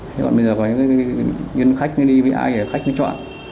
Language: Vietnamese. thế còn bây giờ có những nhân khách mới đi với ai thì khách mới chọn